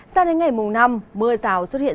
sau đến ngày mùng năm mưa rào xuất hiện